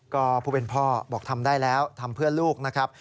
ก็ผู้เป็นพ่อบอกทำได้แล้วทำเพื่อลูกนะครับ